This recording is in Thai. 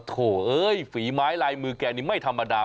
โถเอ้ยฝีไม้ลายมือแกนี่ไม่ธรรมดา